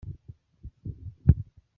Ifoto icy’icyumweru